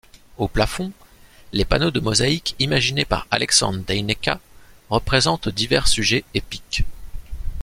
Au plafond, les panneaux de mosaïque imaginés par Alexandre Deïneka représentent divers sujets épiques.